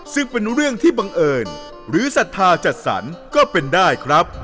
ซึ่งเป็นเรื่องที่บังเอิญหรือศรัทธาจัดสรรก็เป็นได้ครับ